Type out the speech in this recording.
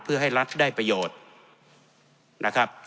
เพื่อให้รัฐได้ประโยชน์นะครับ